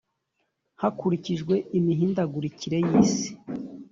hakurikijwe imihindukire y’ isi.